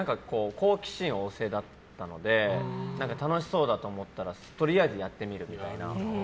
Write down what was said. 好奇心旺盛だったので楽しそうだと思ったらとりあえずやってみるみたいな。